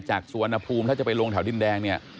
สุวรรณภูมิถ้าจะไปลงแถวดินแดงเนี่ย